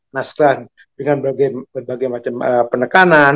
nah setelah dengan berbagai macam penekanan